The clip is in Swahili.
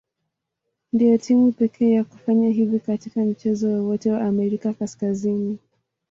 Ndio timu pekee ya kufanya hivi katika mchezo wowote wa Amerika Kaskazini.